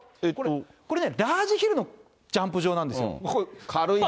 これはラージヒルのジャンプ場なんですよ。